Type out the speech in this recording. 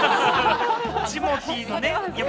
ジモティーのね。